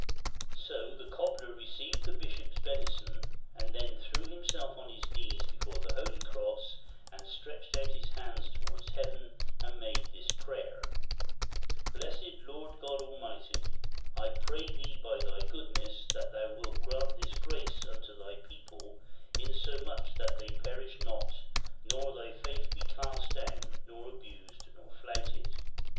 So the Cobler received the Bishop's benison, and then threw himself on his knees before the Holy Cross, and stretched out his hands towards Heaven, and made this prayer :" Blessed Lord God Almighty, I pray Thee by Thy goodness that Thou wilt grant this grace unto Thy people, insomuch that they perish not, nor Thy faith be cast down, nor abused nor flouted.